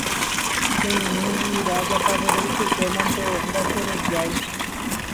Che irũ guyra Jakavere Ypykue mante ndacherejái.